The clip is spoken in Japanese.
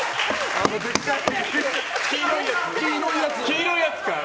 黄色いやつ。